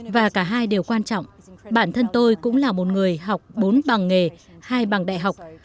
và cả hai đều quan trọng bản thân tôi cũng là một người học bốn bằng nghề hai bằng đại học